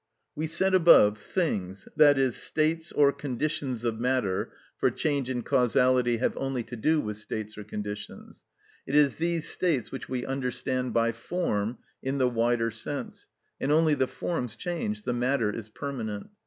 We said above: "Things, i.e., states or conditions of matter," for change and causality have only to do with states or conditions. It is these states which we understand by form, in the wider sense; and only the forms change, the matter is permanent.